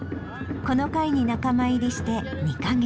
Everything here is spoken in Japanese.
この会に仲間入りして２カ月。